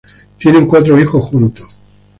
Tienen cuatro hijos juntos.